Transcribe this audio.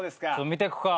見ていくか。